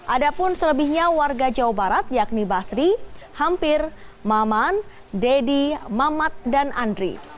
ada pun selebihnya warga jawa barat yakni basri hampir maman deddy mamat dan andri